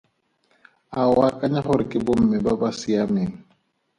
A o akanya gore ke bomme ba ba siameng?